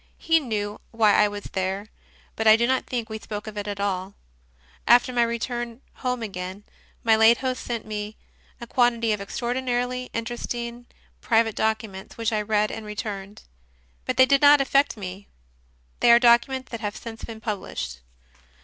He knew why I was there, but I do not think we spoke of it at all. After my return home again, my late host sent me a quantity of 122 CONFESSIONS OF A CONVERT extraordinarily interesting private documents, which I read and returned. But they did not affect me. They are documents that have since been published.